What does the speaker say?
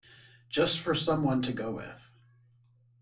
Just for some one to go with.